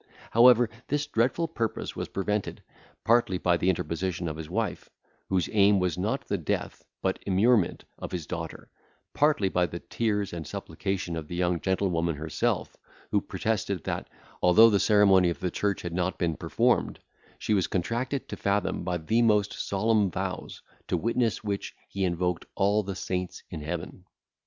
However, this dreadful purpose was prevented, partly by the interposition of his wife, whose aim was not the death but immurement of his daughter, and partly by the tears and supplication of the young gentlewoman herself, who protested, that, although the ceremony of the church had not been performed, she was contracted to Fathom by the most solemn vows, to witness which he invoked all the saints in heaven.